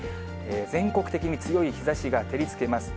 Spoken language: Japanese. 全国的に強い日ざしが照りつけます。